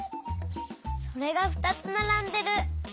それがふたつならんでる。